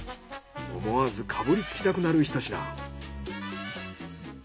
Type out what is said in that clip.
思わずかぶりつきたくなるひと品。